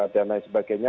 dan lain sebagainya